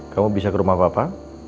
kamu bisa ke rumah bapak